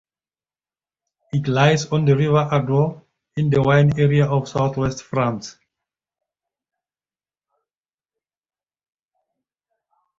It lies on the river Adour in the wine area of southwest France.